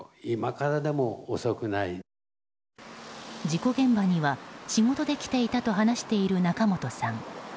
事故現場には仕事で来ていたと話している仲本さん。